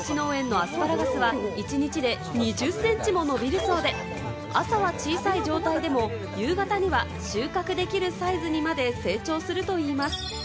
アスパラガスは１日で２０センチも伸びるそうで、朝は小さい状態でも、夕方には収穫できるサイズにまで成長するといいます。